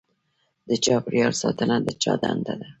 د چاپیریال ساتنه د چا دنده ده؟